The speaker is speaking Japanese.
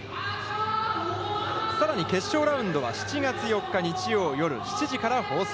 さらに決勝ラウンドは、７月４日、日曜日夜７時から放送。